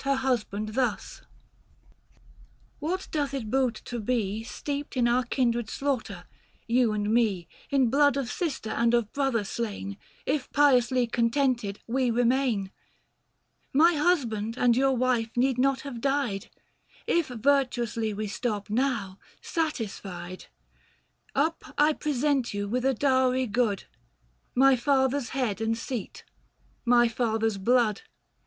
199 Her husband thus : 710 "What doth it boot to be Steeped in our kindred slaughter, you and me, In blood of sister and of brother slain, If piously contented we remain ? My husband and your wife need not have died, If virtuously we stop now, satisfied. 715 Up, I present you with a dowry good — My father's head and seat, my father's blood.